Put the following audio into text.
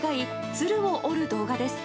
鶴を折る動画です。